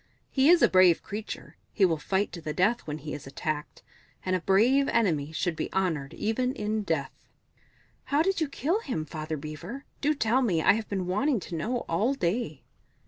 He is a brave creature; he will fight to the death when he is attacked and a brave enemy should be honoured, even in death." "How did you kill him, Father Beaver? Do tell me I have been wanting to know all day."